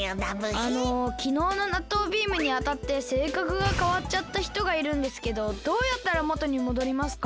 あのきのうのなっとうビームにあたってせいかくがかわっちゃったひとがいるんですけどどうやったらもとにもどりますか？